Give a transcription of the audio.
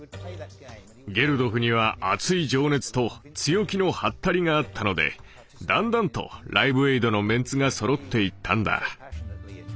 ゲルドフには熱い情熱と強気のハッタリがあったのでだんだんと「ライブエイド」のメンツがそろっていったんだ。